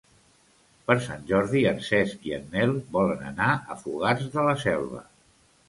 Per Sant Jordi en Cesc i en Nel volen anar a Fogars de la Selva.